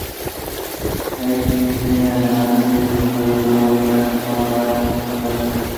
Allí se imprime además un diario local llamado "Blackmore Vale Magazine".